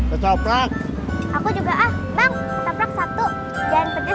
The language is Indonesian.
aku juga ah bang satu